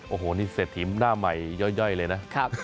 โอ้โหนี่เศรษฐีหน้าใหม่ย่อยเลยนะ